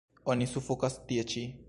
Oni sufokas tie ĉi.